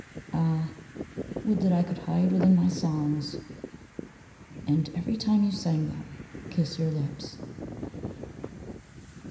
23 DISTICH. A H, would that I could hide within my songs ^^ And, every time you sang them, kiss your lips.